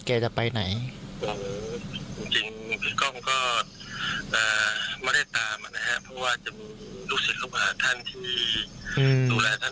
เพราะว่าจะมีลูกศึกภาพท่านที่ดูแลท่านอาจารย์อยู่แล้วนะครับ